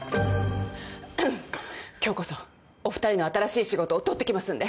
今日こそお二人の新しい仕事を取ってきますんで。